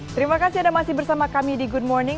terima kasih anda masih bersama kami di good morning